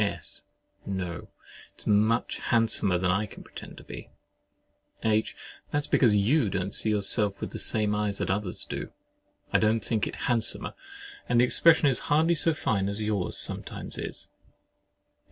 S. No: it's much handsomer than I can pretend to be. H. That's because you don't see yourself with the same eyes that others do. I don't think it handsomer, and the expression is hardly so fine as yours sometimes is.